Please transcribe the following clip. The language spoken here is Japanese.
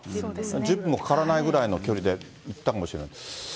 １０分もかからないぐらいの距離で行ったのかもしれない。